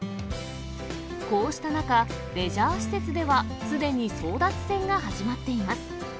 こうした中、レジャー施設では、すでに争奪戦が始まっています。